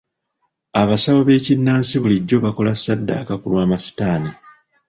Abasawo b'ekinnansi bulijjo bakola saddaaka ku lw'amasitaani.